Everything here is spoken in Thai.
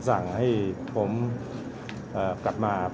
สวัสดีครับ